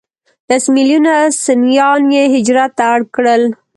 لس ملیونه سنیان یې هجرت ته اړ کړل.